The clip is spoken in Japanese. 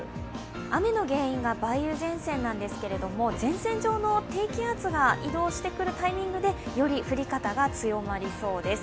雨の原因は梅雨前線なんですけれども、前線上の低気圧が移動してくるタイミングでより降り方が強まりそうです。